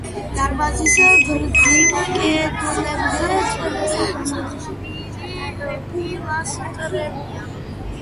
დარბაზის გრძივ კედლებზე წყვილი პილასტრებია.